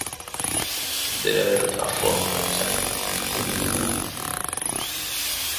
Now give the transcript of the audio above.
Debe haber otra forma de salir de aquí.